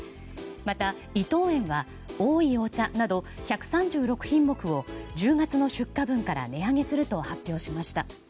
また、伊藤園はおいお茶など１３６品目を１０月の出荷分から値上げすると発表しました。